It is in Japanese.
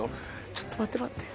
ちょっと待って待って。